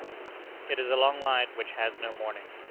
It is a long night which has no morning.